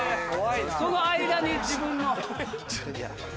その間に自分の。